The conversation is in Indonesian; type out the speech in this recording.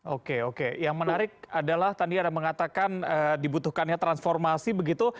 oke oke yang menarik adalah tadi ada mengatakan dibutuhkannya transformasi begitu